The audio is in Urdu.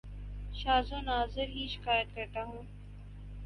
شاز و ناذر ہی شکایت کرتا ہوں